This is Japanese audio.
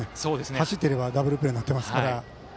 走っていればダブルプレーになっていますから。